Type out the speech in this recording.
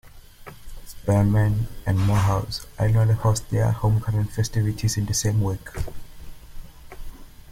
Spelman and Morehouse annually host their homecoming festivities in the same week.